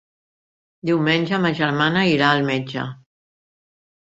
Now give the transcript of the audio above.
Diumenge ma germana irà al metge.